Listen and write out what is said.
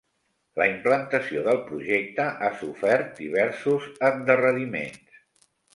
La implantació del projecte ha sofert diversos endarreriments.